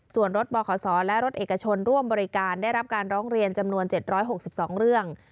ส่วนรถบ่อขอสอและรถเอกชนร่วมบริการได้รับการร้องเรียนจำนวนเจ็ดร้อยหกสิบสองเรื่อง